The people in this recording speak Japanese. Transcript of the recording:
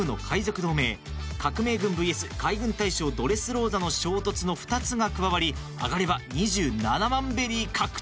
革命軍ｖｓ海軍大将ドレスローザの衝突の２つが加わりあがれば２７万ベリー獲得。